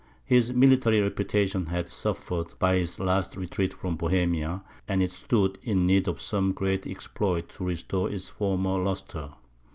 His military reputation had suffered by his last retreat from Bohemia, and it stood in need of some great exploit to restore its former lustre.